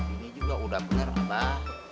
ini juga sudah benar abah